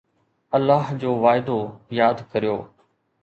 الله جو وعدو ياد ڪريو